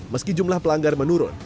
meski jumlah pelanggar menurun